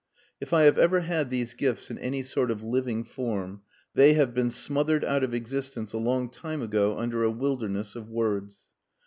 If I have ever had these gifts in any sort of living form they have been smothered out of existence a long time ago under a wilderness of words.